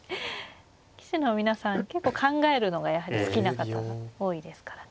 棋士の皆さん結構考えるのがやはり好きな方が多いですからね。